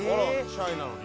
シャイなのに？